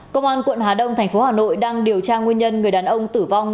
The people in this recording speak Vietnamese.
công an quận hà đông thành phố hà nội đang điều tra nguyên nhân người đàn ông tử vong